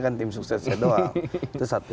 kan tim suksesnya doang itu satu